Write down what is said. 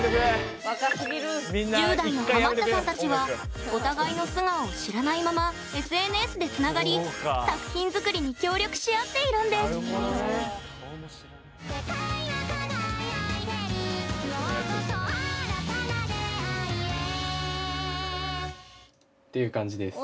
１０代のハマったさんたちはお互いの素顔を知らないままＳＮＳでつながり作品作りに協力し合っているんですっていう感じです。